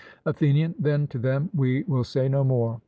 ATHENIAN: Then to them we will say no more.